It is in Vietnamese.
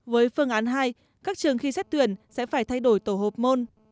với phương án hai các trường khi xét tuyển sẽ phải thay đổi tổ hợp môn